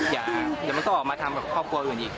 อย่ามันก็ต้องออกมาทำกับครอบครัวอีก